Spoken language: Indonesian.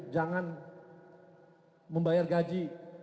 jangan membayar gaji